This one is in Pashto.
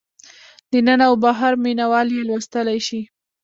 دننه او بهر مینه وال یې لوستلی شي.